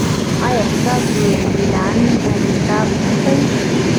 ایا ستاسو سیالان انصاف نه کوي؟